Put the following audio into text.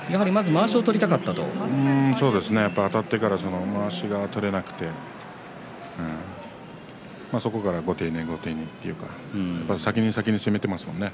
あたってからまわしが取れなくてそこから後手に後手にというか先に先に攻めてますもんね